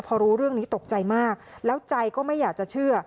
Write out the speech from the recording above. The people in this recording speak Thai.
พอรู้เรื่องนี้ตกใจมากแล้วใจก็ไม่อยากจะเชื่อ